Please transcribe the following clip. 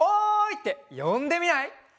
ってよんでみない？